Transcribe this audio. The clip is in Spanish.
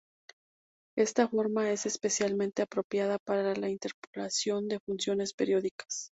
Esta forma es especialmente apropiada para la interpolación de funciones periódicas.